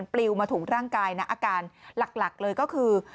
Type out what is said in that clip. ปลิวมาถูกร่างกายนะอาการหลักเลยก็คือ